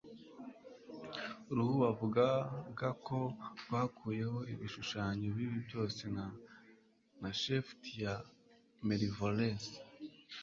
uruhu bavugaga ko rwakuyeho ibishushanyo bibi byose na shaft ya malvolence